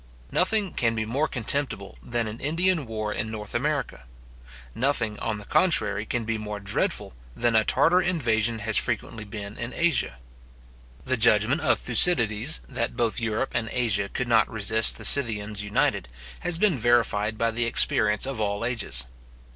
Nothing can be more contemptible than an Indian war in North America; nothing, on the contrary, can be more dreadful than a Tartar invasion has frequently been in Asia. The judgment of Thucydides, that both Europe and Asia could not resist the Scythians united, has been verified by the experience of all ages.